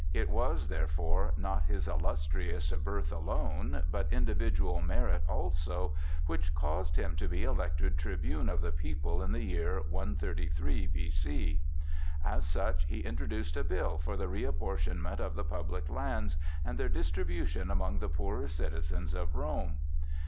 It was, therefore, not his illustrious birth alone, but individual merit also, which caused him to be elected tribune of the people in the year 133 B.C. As such he introduced a bill for the re apportionment of the public lands and their distribution among the poorer citizens of Rome.